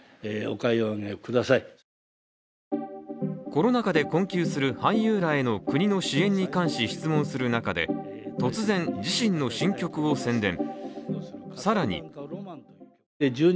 コロナ禍で困窮する俳優らへの国の支援に関し質問する中で突然、自身の新曲を宣伝。